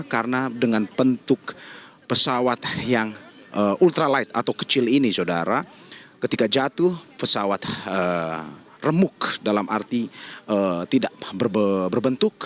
karena dengan bentuk pesawat yang ultralight atau kecil ini saudara ketika jatuh pesawat remuk dalam arti tidak berbentuk